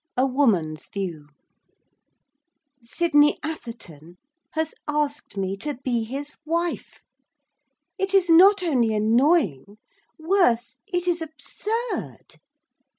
A WOMAN'S VIEW Sydney Atherton has asked me to be his wife. It is not only annoying; worse, it is absurd.